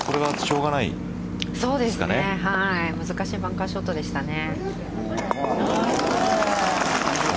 難しいバンカーショットでしたね。